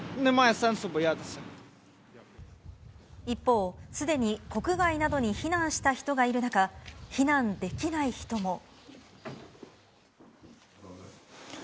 一方、すでに国外などに避難した人がいる中、避難できない人も。